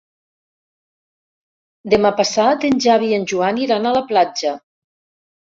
Demà passat en Xavi i en Joan iran a la platja.